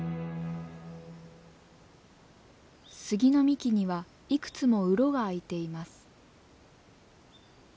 スギの幹にはいくつも洞が開いています。